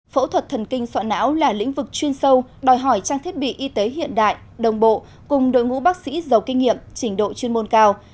phẫu thuật thần kinh soạn não là lĩnh vực chuyên sâu đòi hỏi trang thiết bị y tế hiện đại đồng bộ cùng đội ngũ bác sĩ giàu kinh nghiệm trình độ chuyên môn cao